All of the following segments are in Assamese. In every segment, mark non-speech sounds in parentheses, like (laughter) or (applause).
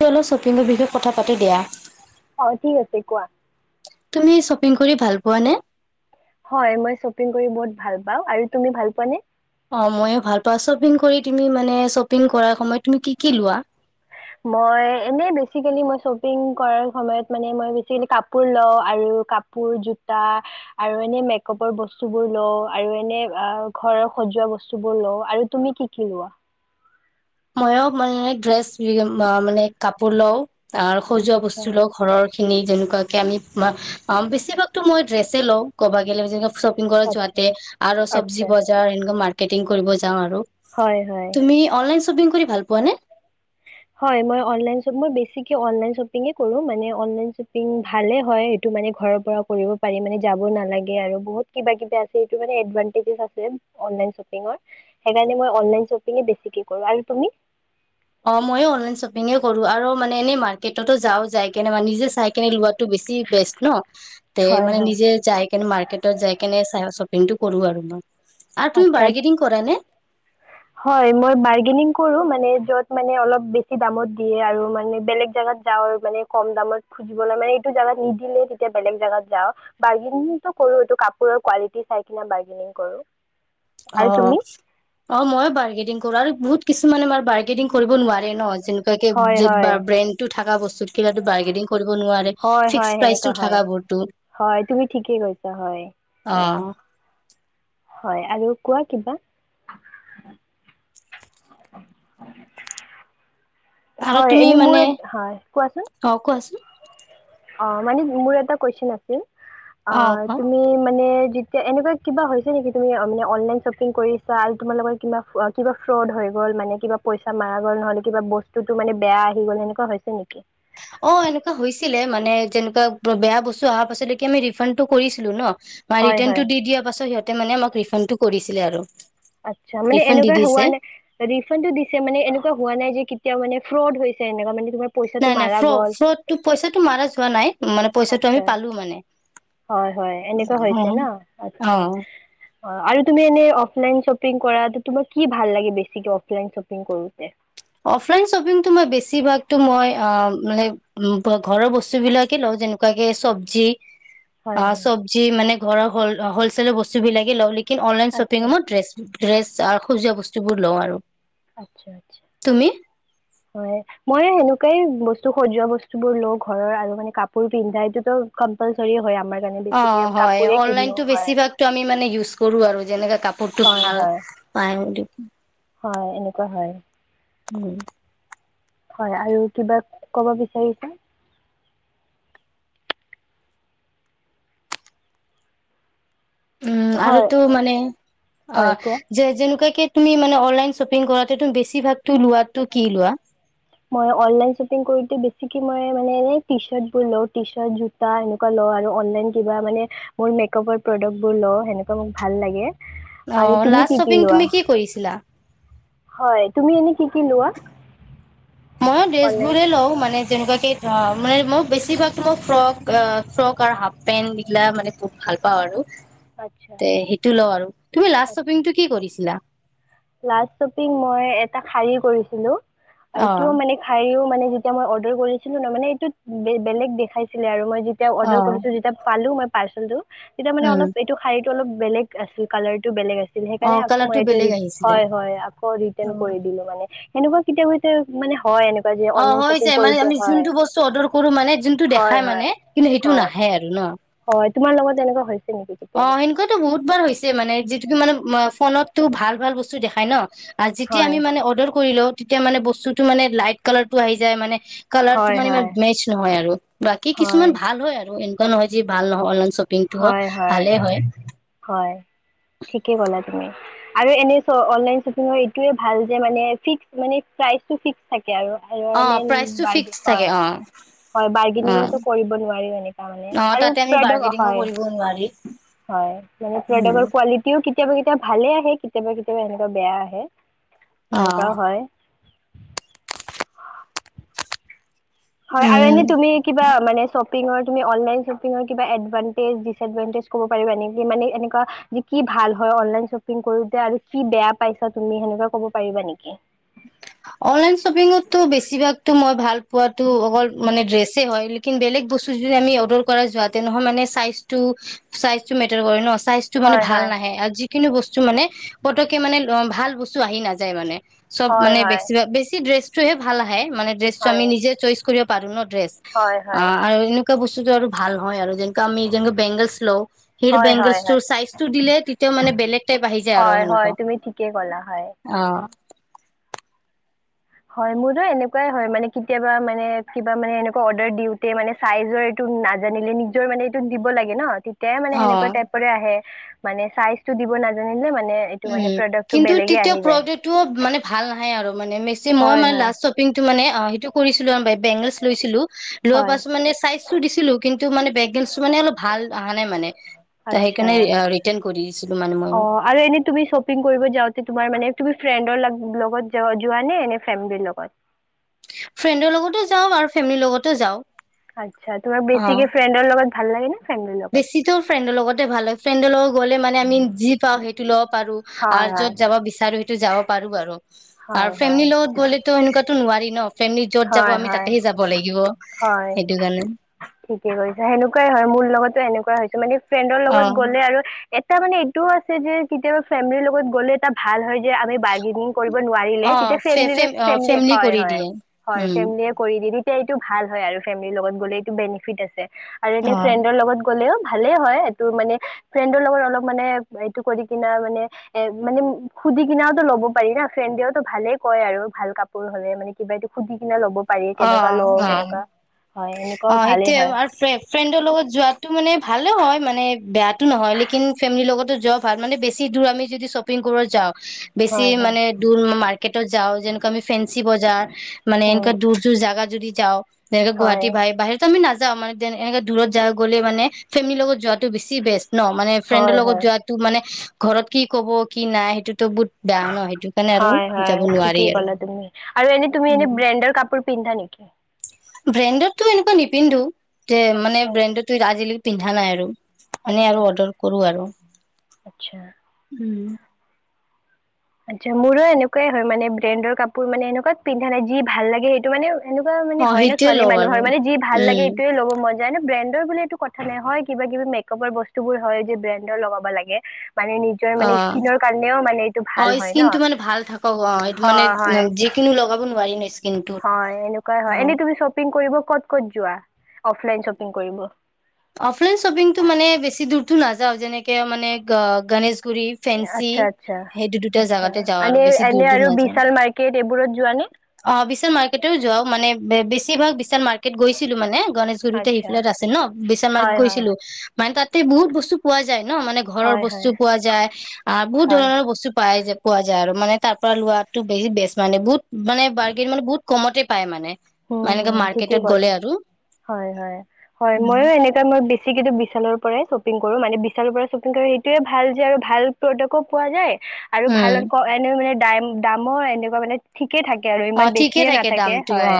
ত অলপ শ্বপিংৰ বিষয়ে কথা পাতো দিয়া অ ঠিক আছে কোৱা তুমি শ্বপিং কৰি ভাল পোৱা নে হয় মই শ্বপিং কৰি বহুত ভাল পাওঁ আৰু তুমি ভাল পোৱা নে অ ময়ো ভাল পাওঁ শ্বপিং কৰি তুমি মানে শ্বপিং কৰাৰ সময়ত তুমি কি কি লোৱা মই এনে বেচিকেলী মই শ্বপিং কৰাৰ সময়ত মানে মই বেছি কাপোৰ লও আৰু কাপোৰ জোতা আৰু এনে মেকআপৰ বস্তু বোৰ লও আৰু এনে অ ঘৰৰ সজোৱা বস্তু বোৰ লও আৰু তুমি কি কি লোৱা ময়ো মানে ড্ৰেছ মানে কাপোৰ লও আৰু সজোৱা আচ্ছা বস্তু লও ঘৰৰ খিনি যেনেকুৱাকে আমি বেছিভাগতো মই ড্ৰেছে লওঁ ক'ব গলে শ্বপিং কৰা আচ্ছা যোৱাতে আৰু চব্জি আচ্ছা বজাৰ এনেকুৱা মাৰ্ট কেটিং কৰিব যাওঁ আৰু হয় হয় তুমি অনলাইন শ্বপিং কৰি ভাল পোৱা নে হয় মই অনলাইন শ্বপ মই বেছিকে অনলাইন শ্বপিং এই কৰোঁ মানে অনলাইন শ্বপিং ভালেই হয় এইটো মানে ঘৰপা কৰিব পাৰি মানে যাব নালাগে আৰু বহুত কিবা কিবি আছে মানে এইটো এডভাণ্টেজ ও থাকে অনলাইন শ্বপিংৰ সেইকাৰণে মই অনলাইন শ্বপিং এই বেছিকে কৰোঁ আৰু তুমি অ ময়ো অনলাইন শ্বপিং এই কৰো আৰু মানে এনেই মাৰ্কেটতো যাও যাই কেনে মানে নিজে চাই কেনে ল লোৱা টো বেছি বেষ্ট ন তে হয় হয়। নিজে যাই কিনে মাৰ্কেটত যাই কিনে টো কৰো আৰু মই আৰু তুমি আচ্ছা বাৰ্গেনিং কৰা নে হয় মই বাৰ্গেনিং কৰোঁ মানে যত মানে অলপ বেছি দামত দিয়ে আৰু মানে বেলেগ জেগাত যাওঁ আৰু মানে কম দামত মানে এইটো জেগাত নিদিলে তেতিয়া বেলেগ জেগাত যাওঁ বৰ্গেনিং টো কৰোঁ এইটো কাপোৰৰ কোৱালিটী চাই কিনি বাৰ্গেনিং কৰোঁ অ আৰু তুমি? অ মই বাৰ্গেনিং কৰাৰ বহুত কিছুমানে আমাৰ কৰিব নোৱাৰে ন জেনেকুৱাকে হয় যত বা হয়। ব্ৰেণ্ড টো থাকা বস্তু ক বাৰ্গেনিং কৰিব নোৱাৰে হয় হয় ফিক্স প্ৰাইজ সেনেকুৱা হয় থাকা বস্তু হয় তুমি ঠিকেই কৈছা হয় অ হয় আৰু কোৱা কিবা আৰু হয় তুমি এনেই মানে মোৰ হয় কোৱাচোন অ', কোৱাচোন অ মানে মোৰ এটা কুৱেচন আছিল অ তুমি মানে যেতিয়া এনেকুৱা কিবা হৈছে নেকি তুমি মানে অনলাইন শ্বপিং কৰিছা আৰু তোমাৰ লগত কিবা কিবা ফ্ৰড হৈ গ'ল মানে কিবা পইচা মাৰা গ'ল নহলে কিবা বস্তুতটো মানে বেয়া আহি গ'ল সেনেুৱা হৈছে নেকি অ এনেকুৱা হৈছিলে মানে যেনেকুৱা বেয়া বস্তু অহা পাছতক আমি ৰিফাণ্ডটো কৰিছিলো ন হয় ৰিটাৰ্ণ হয় টো দি দিয়া পাছত সিহঁতে মানে আমাক ৰিফাণ্ড টো কৰিছে ছিলে আৰু আচ্ছা মানে ৰিফাণ্ড দি এনেকুৱা দিছে। হোৱা নাই ৰিফাডটো দিছে মানে এনেকুৱা হোৱা নাই যে তে মানে ফ্ৰড হৈছে এনেকুৱা মানে তোমাৰ পইচাটো নাই নাই মাৰা ফ্ৰ গ'ল ফ্ৰডটো পইচাটো মাৰা য হোৱা নাই মানে। পইচাটো আমি আচছা পালো মানে হয় হয় এনেকুৱা অ হৈছে ন অ আচছা অ আৰু তুমি এনে অফলাইন শ্বপিং কৰা তোমাক কি ভাল লাগে বেছিকে অফলাইন শ্বপিং কৰো অফলাইন শ্বপিংটো মই বেছিভাগ ত মই অ মানে উ ঘৰৰ বস্তু বিলাকে লওঁ যেনেকুৱাকে চবজি হয় অ হয় চব্জি মানে ঘৰৰ হল হলছেেলৰ বস্তু বিলাকে কিন্তু অনলাইন আচ্ছা শ্বপিংত ড্ৰেছ ড্ৰেছ আৰু সজোৱা বস্তু বস্তুোৰ লওঁ আৰু আচ্ছা আচ্ছা তুমি হয় মই সেনক কেই বস্তু সজোৱা বস্তু বোৰ লো ঘৰৰ আৰু মানে কাপোৰ পিন্ধাই এইটোতো কম্পালচৰি হয় আমাৰ কাৰণে অ বেছিকে হয় কাপোৰে কিনো অনলাইনতো হয় বেছিভাগতো আমি মানে ইউজ কৰো আৰু যেনেকে কাপোৰতটো হয় ভাল হয় প কি? হয় এনেকুৱা হয়। উম হয় আৰু কিবা কব বিচাৰিছ। উম হয় আৰুটো মানে অ হয় কোৱা যে যেনেকুৱাক তুমি মানে অনলাইন শ্বপিং কৰাতে তু বেছিভাগতো লোৱাতটো কি লোৱা মই অনলাইন শ্বপিং বেছিকে মই মানে ট্ৰি চাত জোতা এনেকোবা অনলাইন কিবা মানে মেকাপৰ প্ৰদাকৰ সামগ্ৰী লউ মানে ভাল লাগিল। অ লাষ্ট শ্বপিং তুমি কি কৰিছিলা? হয় তুমি এনেই কি কি লোৱা? মই ড্ৰেছ অনলাইন? বোৰে লওঁ মানে যেনেকুৱা কেেই অ মানে মই বেছিভাগো মই ফ্ৰক ফ্ৰক আৰু হাফ পেন্ট এইগিলা মানে বুত ভাল পাওঁ আৰু আচ্ছা, তে সেইটো লও আৰু তুমি লাষ্ট আচ্ছা। শ্বপিংতটো কি কৰিছিলা লাষ্ট শ্বপিং মই এটা শাৰি কৰিছিলো। অ এইটো মানে শাৰীও। মান যেতিয়া মই অৰ্ডাৰ কৰিছিলো ন মানে এই বেলেগ দেখাইছিলে আৰু মই তেতিয়া অ অৰ্ডাৰ কৰিলো যেতিয়া পালো মই পাইছোন তো তেতিয়া মানে উম অলপ এইটো শাৰ়ীত অল বেলেগ আছিল কালাৰ টো বেলেগ আছিল ছিল অ সেইকাৰণে আকৌ মই কালাৰটো এইটো বেলেগ আহিছিলে হয় হয় আকৌ অ ৰিটাৰ্ণ কৰি দিলো মানে এনেকুৱা কেতিয়াবা কেতিয়াবা মানে হয় এনেকুৱা যে অ অনলাইন হৈ শ্বপিং যায় মানে কৰোঁতে আমি হয় যোনটো বস্তু অৰ্ডাৰ কৰো মানে যোনটো হয় দেখাই মানে হয় কিন্তু সেইটো হয় নাহে আৰু ন হয় তোমাৰ লগত এনেকুৱা হৈছে নেকি অ কেতিয়াবা এনেকোৱাতো বহুত বাৰ হৈছে মানে যিটো কি মানে ফোনততো ভাল ভাল বস্তু দেখাই ন আৰু যেতিয়া হয় আমি মানে অৰ্ডাৰ কৰিলো তেতিয়া মানে বস্তুটো মানে লাইট কালাৰ টো আহি যায় মানে কালাৰটো হয় মানে ইমান হয় মেচ নহয় আৰু বাকী হয় কিছুমান ভাল হয় আৰু এনেকুৱা নহয় যি ভাল নহয় অনলাইন শ্বপ টো হয় হয় ঠিকেই গলা (inaudible) আৰে এনে ত অনলাইন শ্বপকিংৰ এইটোএ ভাল যে মানে থিক মানে প্ৰাইচটোচটো থিকে থাকে এতিয়া আৰু অ প্ৰাইচটো হয় ফিক্স থাকে অ হয় অ বৰ্কেতিংও তো কৰিব নোৱাৰিম এনেকা মানে অ আৰু তাতে আমি তই বাৰ্গেনিঙো এতিয়া ক হয় কৰিব নোৱাৰি মানে তেহেতৰ উম ঘৰ পোৱালিটোও কেতিয়াবা কেতিয়া ভালে আহে কেতিয়াবা কেতিয়াবা এনেকুৱা বেয়া আহে অ এনেকুৱাও হয় হয় আৰু উম এনেই তুমি কিবা মানে শ্বপিংৰ তুমি অনলাইন শ্বপিংৰ কিবা এডভানটেজ ডিচভানটেজ কব পাৰিবা নেকি মানে এনেকুৱা কি কি ভাল হয় অনলাইন শ্বপিং কৰোতে আৰু কি বেয়া পাইছা তুমি এনেকুৱা ক'ব পাৰিবা নেকি অনলাইন পোৱাটো অকল মানে ড্ৰেছে হয় লেকিন বেলেগ বস্তু যদি আমি অৰ্ডাৰ কৰা যোৱাতে নহয় মানে চাইচটো চাইচটো মেটাৰ কৰে ন চাইজটো মানে হয় ভাল হয় নাহে আৰু যিকোনো বস্তু মানে পতককে মানে অ ভাল বস্তু আহি নাযায় মানে চব হয় মানে হয় বেছি বেছি ড্ৰেছটোহে ভাল আহে মানে ড্ৰেছটো হয় আমি নিজে চইচ কৰিব পাৰো পাৰো ন ড্ৰেছ হয় অ হয় আৰু এ বস্তুটো আৰু ভাল হয় আৰু যে আমি যোনটো বেংগলছ লওঁ হেই হয় হয় বেংগলছ হয় চাইজ টো দিলে তেতিয়া মানে বেলেগ টাইপ আহি যায় আৰু হয় হয় সেনেকুৱা তুমি ঠিকেই ক'লা হয় অ হয় মোৰতো এনেকুৱাই হয় মানে কেতিয়াবা মানে কিবা মানে এনেকুৱা অৰ্ডাৰ দিওঁতে মানে চাইজৰ এইটো নাজানিলে নিজৰ মানে এইটো দিব লাগে ন এ মানে অ সেনেকুৱা অ টাইপৰে আহে মানে চাইজটো দিব নাজানিলে মানে এইটো উম মানে প্ৰডাক্টটো কিন্তু বেলেগে তেতিয়া আহি যায় প্ৰডাক্টটো মানে ভাল নাহে আৰু মানে যি মই হয় মানে হয় লাষ্ট শ্বপিংটো মানে অ সেইটো কৰিছিলো আৰু ব বেংগলচ লৈছিলো, লোৱাৰ হয় পাছত মানে চাইচটো দিছিলো কিন্তু মানে বেংগলচটো মানে অলপ ভাল অহা নাই মানে, তৌ আচ্ছা সেইকাৰণে ৰিটাৰ্ন কৰি দিছিলো ময়ো। একটিং কৰিব যাওঁতে তোমাৰ মানে তুমি ফ্ৰেণ্ডৰ লগত যো যোৱানে এনে ফেমিলিৰ লগত ফ্ৰেণ্ডৰ লগতো যাওঁ আৰু ফেমিলিৰ লগতো যাওঁ আচ্ছা তোমাৰ অ বেছিকে ফ্ৰেণ্ডৰ লগত ভাল লাগেনে? বেছিতো ফ্ৰেণ্ডৰ লগতে ভাল হয় ফেণ্ডৰ লোক গ'লে মানে আমি যি পাওঁ সেইটো ল'ব পাৰো হয় আৰু হয় য'ত যাব বিচাৰো সেইটো যাব পাৰো বাৰু আৰু হয় হয় ফেমিলিৰ লগত গ'লেতো সেনেকুৱাতো নোৱাৰি ন ফেমিলি য'ত যাব হয় আমি হয় তাতেহে যাব লাগিব হয় সেইটো কাৰণে ঠিকে কৰিছা, সেনেকুৱাই হয় মোৰ লগতো এনেকুৱা কৰা হৈছে মানে ফ্ৰেণ্ডৰ অ লগত গ'লে আৰু এটা মানে এইটোও আছে যে কেতিয়াবা ফেমিলিৰ লগত গ'লে এটা ভাল হয় আমি বাৰ্গেনিং কৰিব অ নোৱাৰিলে তেতিয়া ফে ফেমলিৰে ফেম ফেমলি, ফেমিলি হয় কৰি হয় দিয়ে হয় উম ফেমলিয়ে কৰি দিলি এতিয়া এইটো ভাল হয় আৰু ফেমলিৰ লগত গ'লে এইটো বেনিফিট আছে আৰু এনে অ ফ্ৰেণ্ডৰ লগত গ'লেও ভালেই হয় এইটো মানে ফ্ৰেণ্ডৰ লগত অলপ মানে এইটো কৰি কিনা মানে এ মানে সুধি কিনেওতো ল'ব পাৰি না ফ্ৰেণ্ডেওতো ভালে কয় আৰু ভাল কাপোৰ হ'লে মানে কিবা এইটো সুধি কিনে ল'বব অ অ এনেকুৱাও অঁ সেইটোৱে ভালেই হয় আৰু ফ্ৰেণ্ডৰ লগত যোৱাত টো মানে ভালে হয় মানে বেয়াটো নহয় লেকিন ফেমিলিৰ লগতো যোৱা ভাল মানে বেছি দূৰ আমি যদি শ্বপিং কৰিব যাওঁ বেছি হয় হয় মানে দূৰ মাৰ্কেটত যাওঁ যেনেকুৱা আমি ফেঞ্চি বজাৰ মানে উম এনেকুৱা দূৰ জাগা যদি যাওঁ তেনেকে হয় গুৱাহাটী ভাই বাহিৰত আমি নাযাওঁ মানে এনেকে দূৰত জাগা গলে মানে ফেমিলিৰ লগত যোৱাটো বেছি বেষ্ট। ন মানে ফ্ৰেণ্ডৰ হয় লগত হয় যোৱাটো মানে ঘৰত কি ক'ব কি নাই সেইটোত হয় হয় নোৱাৰি ঠিকেই আৰু কলা তুমি আৰু এনে তুমি উম এনে ব্ৰেণ্ডৰ কাপোৰ পিন্ধা নেকি? ব্ৰেণ্ডৰতো এনেকুৱা নিপিন্ধো যে মানে আচ্ছা ব্ৰেইন টো তুই ৰাজিলি পিন্ধা নাই আৰু এনেই আচ্ছা আৰু অৰ্ডাৰ কৰো আৰু আচ্ছা। উম আচ্ছা মোৰো এনেকুৱাই হয় মানে ব্ৰেডৰ কাপোৰ মানে এনেকুৱাত পিন্ধা নাই যি ভাল লাগে সেইটো মানে এনেকুৱা মানে অ হয় ন সেইটোয়ে ছোৱাল লওঁ মানুহ আৰু মানে ভাল লাগে উম এইটয়ে ল'ব মন যায় ন ব্ৰেণ্ তই বোলে এইটো কথা নাই হয় কিবা কিবি বস্তু হয় ব্ৰেন্দৰ লগাব লাগে। মানে নিজৰ অ মানে স্কিনৰ কাৰণেও মানে এইটো অ ভাল হয় ন স্কিন টো মানে ভাল থাকক অ এইটো মানে হয় হয় যিকিনো লগাব নোৱাৰি নিশ হয় এনেকুৱাই হয় এনে তুমি শ্বপিং কৰিব ক'ত ক'ত যোৱা অফলাইন শ্বপিং কৰিব অফলাইন শ্বপিংটো মানে বেছি দূৰ। নাযাও যেনেকে মানে গণেশ পোৰি ছনছি আচ্ছা আচ্ছা সেই দু দুটা আচ্ছা জেগাতে যাওঁ আৰু এনে বেছি দৰ এনে দ আৰু নাযওঁ বিশাল মাৰ্কেট এইবোৰত যোৱানে অ বিশ ম যা মানে স ভাগ বিশ মাৰ্কট গৈছিলো মানে গণেশগুৰিতে আচ্ছা সফালে আছে ন বিশাল মাৰ্ক হয় হয় গৈছিলো। মানে তাতে বহু বস্তু পোৱা যায় নাই ন মানে ঘৰৰ হয় বস্তু হয় পোৱা যায় আ বহুত হয় ধৰণৰ বস্তু পাই পোৱা যায় আৰু মানে তাৰ পৰা লোৱাতো বেছি বেছ মানে বহুত মানে বাৰ্গেন মানে বহুত কমতে পায় মানে হুম মাননেকে হুম ঠিকেই মাৰ্কেটত গ'লে ক'লা আৰু হয় হয় হয় ময়ো এনেকুৱ ম বেছি কিন্তু বিশালৰ পৰাই শ্বপিং কৰো মানে বিশালৰ পৰা শ্বপিং কৰো সেইটোয়ে ভাল যে আৰু ভাল প্ৰডাকও পোৱা যায়। আৰু ভাল উম এনে মানে দ দামৰ এনেকুৱা মানে ঠিক তাক। কেই থাকে আৰু অ ইমান ঠিকে বেছিয়ে থাকে নাথাকে দামটো অ হয়।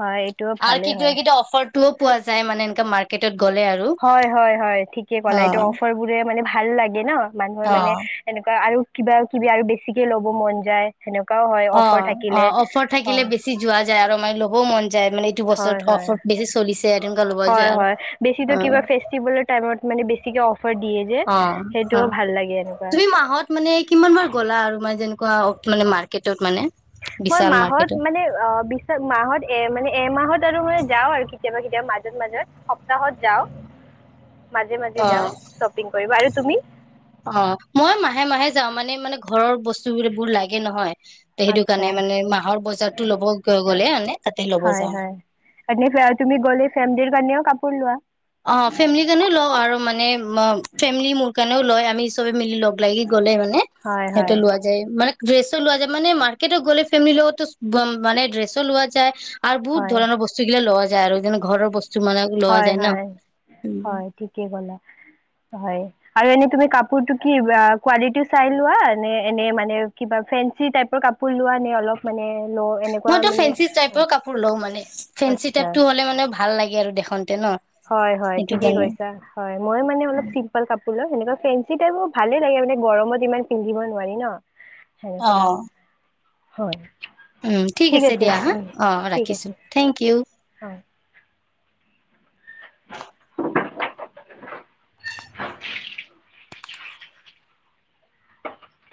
হয় এইটোও কি ভালেই ত হয় কি অফাৰ ও পোৱা যায় মানে এনেককা মাৰ্কেটত গ'লে আৰু হয় হয় হয় ঠিকে কলা অ এইটো অফাৰ বোৰে মানে ভাল লাগে ন। মানুহৰ মানে অ এনেকুৱা আৰু কিবা কিবি আৰু বেছিকে ল'ব মন যায়। সেনেকুৱাও হয় অ অফাৰ অ থাকিলে। অফাৰ থাকিলে হয়, বেছি যোৱা যায় আৰু মান ল'ব মন যায় মানে এইটো হয়, বছৰতফ হয়, বেছি চলিছে তেনেকুৱা ল'ব যোৱা হয় আৰু হয় বেছিটো অ কিবা ফেষ্টিভেলৰ টাইমত মানে বেছিকে অ অ অ এনেকুৱা। তুমি মাহত মানে কিমান বাৰ গ'লা আৰু ম যেনেকুৱা মানে মাৰ্কেটত মানে মই বিশাল মাহত মাৰ্কেটত মানে অ বিশ মাহত এ মানে এমাহত মে যাও আৰু কেতিয়াবা কেতিয়াবা মাজত মাজত সপ্তাহত যাও অ তুমি? অ মই মাহে মাহে যাওঁ মানে মানে ঘৰৰ বস্তু এইবোৰ লাগে নহয় তে সেইটো আছা কাৰণে মানে মাহৰ বজাৰতো ল'ব গ'লে মানে তাতে ল'ব হয় যাওঁ হয় এ তুমি গ'লে ফেম কাৰণেও কাপোৰ লোৱা অ ফেমিলিৰ কাৰণেও লওঁ আৰু মানে ফেমি মোৰ কাৰণেও লয় মিজ হৈ মিলি ল'ব। লাগি গলে মানে হয় সিহঁতে হয় লোৱা যায় মানে ড্ৰেছো লোৱা যায় মানে মাৰকেৰ্টে গ'লে ফেমিলি লগতো মে ড্ৰেছো লোৱা যায়। বু হয় ধৰণৰ বস্ত্ৰ বিলাক লোৱা যায়। যায় আৰুদ ঘৰ বস্তু তোমালোক লোৱা হয় যায় ন হয় হয় উম ঠিকেই গলা। হয় আৰু এনে তুমি কি কোবালিটো চাই লোৱা নে এনে মানে কিবা ফ্ৰেন্স টাইপৰ কাপ লোৱা নে অলপ মানে। ল' এনেকুৱা মইতো মানে ফেঞ্চি হয়, টাইপৰ কাপোৰ লওঁ মানে ফেঞ্চি আচ্ছা টাইপতটো হ'লে মানে ভাল লাগে। আৰু দেখন। হয় হয় ঠিকে কৈছা হয় মই মান অলপ শ্বিম্পোল কাপোৰ সেনেকুৱা ফেঞ্চি টাইপো ভালে লাগে মানে গৰমত ইমান পিন্ধিব নোৱাৰি ন সেনেকুৱা। হয়। উ ঠিক আছে দিয়া হা উম, অ ঠিক ৰাখিছো আছে থেংক ইউ। হয়